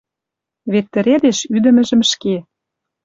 Вет тӹредеш ӱдӹмӹжӹм ӹшке.